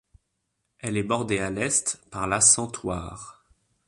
Elle est bordée à l'est par la Santoire.